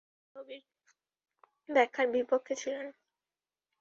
তিনি ইসলামের স্থবির ব্যাখ্যার বিপক্ষে ছিলেন।